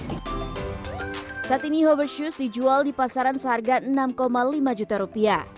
saat ini hover shoes dijual di pasaran seharga rp enam lima juta